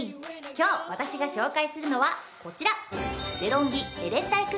今日私が紹介するのはこちら！